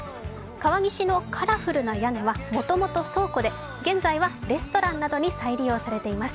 川岸のカラフルな屋根はもともと倉庫で現在はレストランなどに再利用されています。